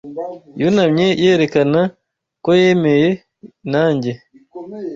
Yunamye yerekana ko yemeye nanjye.